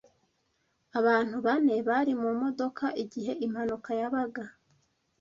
Abantu bane bari mu modoka igihe impanuka yabaga.